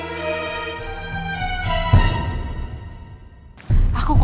jangan sampai dia dekat dengan nongra